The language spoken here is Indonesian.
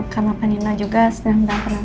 karena panino juga sedang mendapati